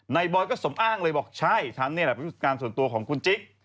บอยก็สมอ้างเลยบอกใช่ฉันนี่แหละเป็นผู้จัดการส่วนตัวของคุณจิ๊ก